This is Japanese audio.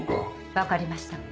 分かりました。